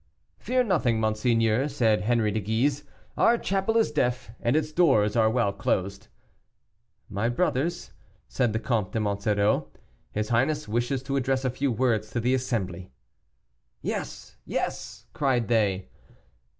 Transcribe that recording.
"Fear nothing, monseigneur," said Henri de Guise; "our chapel is deaf, and its doors are well closed." "My brothers," said the Comte de Monsoreau, "his highness wishes to address a few words to the assembly." "Yes, yes!" cried they.